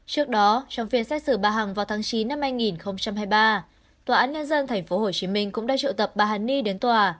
trước đó trong phiên xét xử bà hằng vào tháng chín năm hai nghìn hai mươi ba tòa án nhân dân tp hcm cũng đã triệu tập bà hàn ni đến tòa